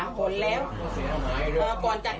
ก่อนจากหน้านี้หนูเก็บปลาอยู่ข้างถนน